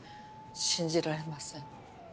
信じられません。